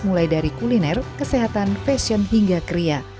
mulai dari kuliner kesehatan fashion hingga kria